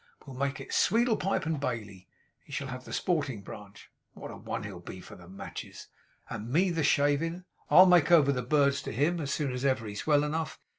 We'll make it Sweedlepipe and Bailey. He shall have the sporting branch (what a one he'll be for the matches!) and me the shavin'. I'll make over the birds to him as soon as ever he's well enough.